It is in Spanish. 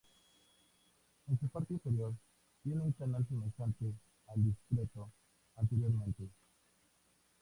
En su parte inferior, tiene un canal semejante al descrito anteriormente.